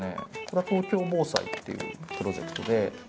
これは「東京防災」っていうプロジェクトで。